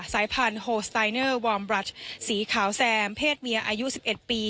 สายพันธุ์โฮสไตเนอร์วอร์มบรัชสีขาวแซมเพศเมียอายุ๑๑ปี